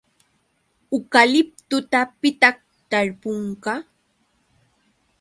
¿Ukaliptuta pitaq tarpunqa?